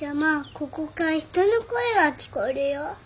ここから人の声が聞こえるよ。